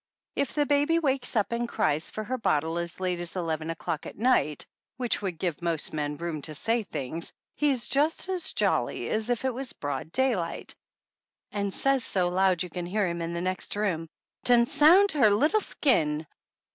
If the baby wakes up and cries for her bottle as late as eleven o'clock at night, which would give most men room to say things, he's just as jolly as if it was broad daylight, and says so loud you can hear him in the next room : "Tonsound her little skin!